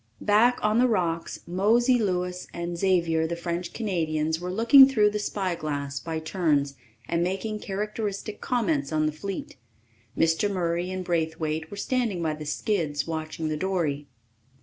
Back on the rocks, Mosey Louis and Xavier, the French Canadians, were looking through the spyglass by turns and making characteristic comments on the fleet. Mr. Murray and Braithwaite were standing by the skids, watching the dory.